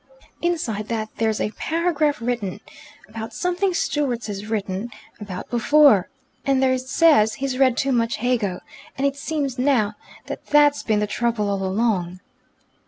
"Inside that there's a paragraph written about something Stewart's written about before, and there it says he's read too much Hegel, and it seems now that that's been the trouble all along."